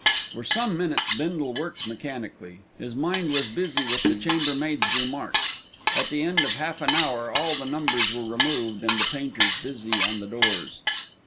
For some minutes Bindle worked mechanically. His mind was busy with the chambermaid's remark. At the end of half an hour all the numbers were removed and the painters busy on the doors.